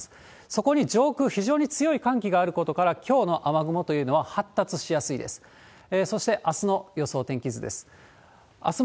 そこに上空、非常に強い寒気があることから、きょうの雨雲というのは発達しやすいです。